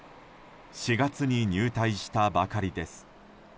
４月に入隊したばかりです。